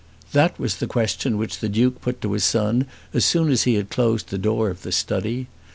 That was the question which the Duke put to his son as soon as he had closed the door of the study.